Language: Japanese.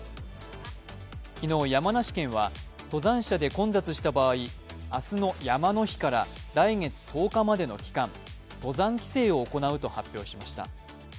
昨日、山梨県は登山者で混雑した場合、明日の山の日から来月１０日までの期間、登山規制を行うと発表しました。